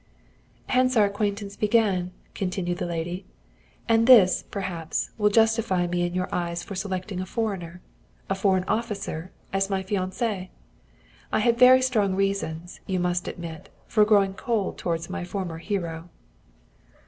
"Hence our acquaintance began," continued the lady, "and this, perhaps, will justify me in your eyes for selecting a foreigner, a foreign officer, as my fiancé. I had very strong reasons, you must admit, for growing cold towards my former hero."